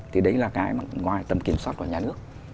thì đấy là cái mà ngoài tầm kiểm soát của nhà nước